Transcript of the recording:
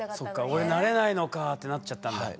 「俺なれないのか」ってなっちゃったんだ。